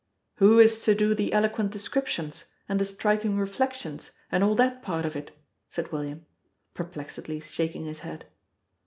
"Who is to do the eloquent descriptions and the striking reflections, and all that part of it?" said William, perplexedly shaking his head.